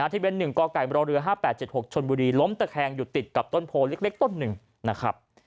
ทะเบียน๑กไก่มรเรือ๕๘๗๖ชนบุรีล้มตะแคงอยู่ติดกับต้นโพเล็กต้นหนึ่งนะครับ